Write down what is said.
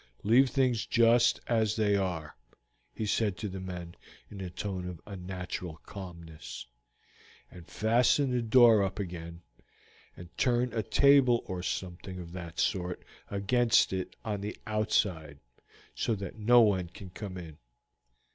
"Leave things just as they are," he said to the men in a tone of unnatural calmness, "and fasten the door up again, and turn a table or something of that sort against it on the outside so that no one can come in.